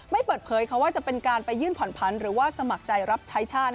ไม่เปิดเผยค่ะว่าจะเป็นการไปยื่นผ่อนพันธุ์หรือว่าสมัครใจรับใช้ชาติ